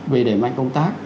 về đẩy mạnh công tác